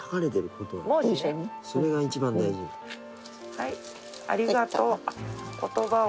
はいありがとう。